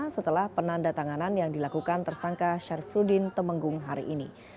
setelah penanda tanganan yang dilakukan tersangka syafruddin temenggung hari ini